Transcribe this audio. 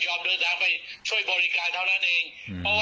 บอกว่าตัดหัวหน้าจะมาเนี้ยเขายินดีที่จะช่วย